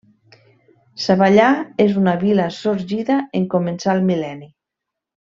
Savallà és una vila sorgida en començar el mil·lenni.